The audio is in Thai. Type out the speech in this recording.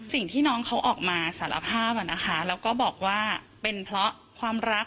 สิ่งที่น้องเขาออกมาสารภาพนะคะแล้วก็บอกว่าเป็นเพราะความรัก